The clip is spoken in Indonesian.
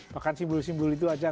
bahkan simbol simbol itu aja